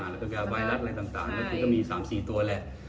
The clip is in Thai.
แล้วก็ยาไบรัสอะไรต่างก็คือจะมี๓๔ตัวแหละ